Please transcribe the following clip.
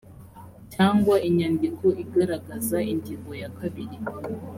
cyangwa inyandiko igaragaza ingingo ya kabiri